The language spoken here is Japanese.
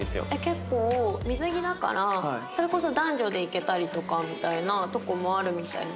結構水着だからそれこそ男女で行けたりとかみたいなとこもあるみたいで。